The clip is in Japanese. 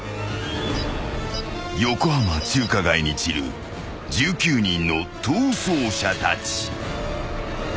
［横浜中華街に散る１９人の逃走者たち］